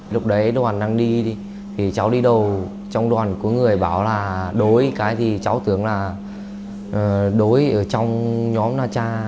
lúc đấy đoàn đang đi thì cháu đi đầu trong đoàn của người bảo là đối cái thì cháu tưởng là đối ở trong nhóm na cha